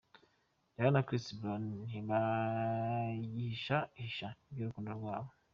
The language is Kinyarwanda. Rihanna na Chris Brown ntibagihisha hisha iby’urukundo rwabo.